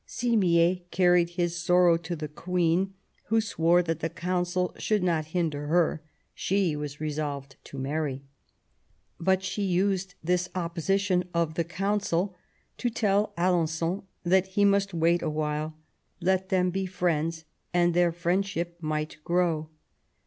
Simier carried his sorrow to the Queen, who swore that the Council should not hinder her; she was resolved to marry. But she used this opposition of the Council to tell Alen9on that he must wait a while; let them be friends, and their friendship might grow.